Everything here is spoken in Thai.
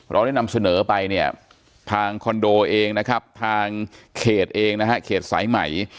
เราได้นำเสนอไปเนี่ยทางคอนโดเองนะครับทางเขตเองนะฮะเขตสายใหม่